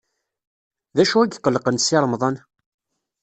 D acu i iqellqen Si Remḍan?